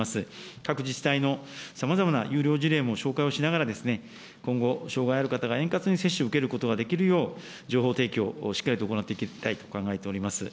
各自治体のさまざまな優良事例も紹介をしながら、今後、障害ある方が円滑に接種を受けることができるよう、情報提供をしっかりと行っていきたいと考えております。